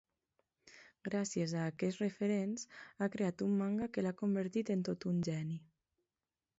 Gràcies a aquests referents ha creat un manga que l'ha convertit en tot un geni.